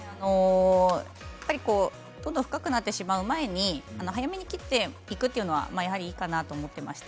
やっぱりどんどん深くなってしまう前に早めに切っていくというのはいいかなと思っています。